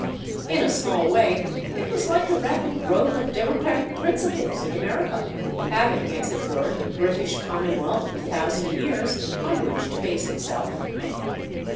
In a small way, it was like the rapid growth of democratic principles in America, having, as it were, the British commonwealth of a thousand years on which to base itself.